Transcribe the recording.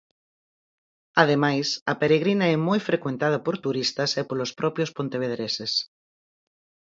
Ademais, a Peregrina é moi frecuentada por turistas e polos propios pontevedreses.